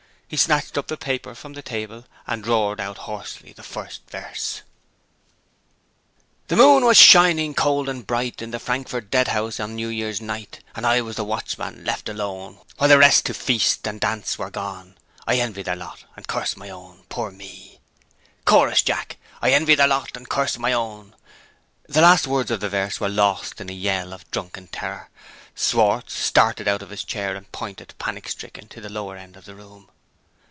He snatched up the paper from the table, and roared out hoarsely the first verse: The moon was shining, cold and bright, In the Frankfort Deadhouse, on New Year's night And I was the watchman, left alone, While the rest to feast and dance were gone; I envied their lot, and cursed my own Poor me! "Chorus, Jack! 'I envied their lot and cursed my own' " The last words of the verse were lost in a yell of drunken terror. Schwartz started out of his chair, and pointed, panic stricken, to the lower end of the room.